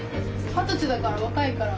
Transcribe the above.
二十歳だから若いから。